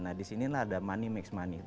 nah disinilah ada money mix money